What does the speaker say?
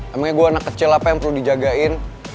emangnya gue anak kecil apa yang perlu dijagain